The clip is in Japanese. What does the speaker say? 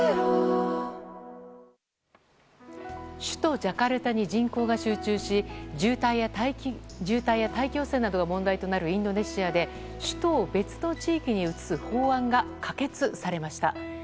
首都ジャカルタに人口が集中し渋滞や大気汚染などが問題となるインドネシアで首都を別の地域に移す法案が可決されました。